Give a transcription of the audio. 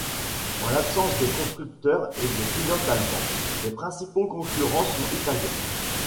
En l'absence des constructeurs et des pilotes allemands, les principaux concurrents sont italiens.